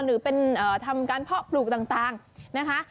หรือเป็นทำการเพาะปลูกต่างนะคะ